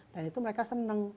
dan itu mereka senang